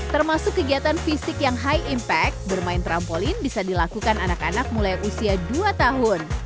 termasuk kegiatan fisik yang high impact bermain trampolin bisa dilakukan anak anak mulai usia dua tahun